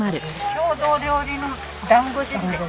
郷土料理の団子汁です。